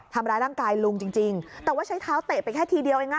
ทำร้ายร่างกายลุงจริงจริงแต่ว่าใช้เท้าเตะไปแค่ทีเดียวเองอ่ะ